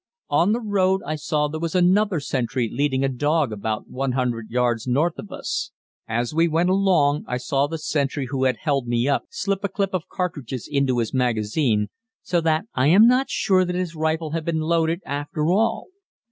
On the road I saw there was another sentry leading a dog about 100 yards north of us. As we went along I saw the sentry who had held me up slip a clip of cartridges into his magazine, so that I am not sure that his rifle had been loaded after all.